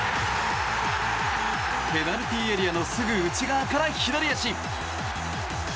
ペナルティーエリアのすぐ内側から左足！